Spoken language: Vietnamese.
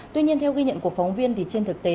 tuy nhiên theo ghi nhận của phóng viên thì trên thực tế